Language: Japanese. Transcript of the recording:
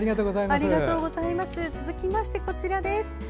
続きましてこちらです。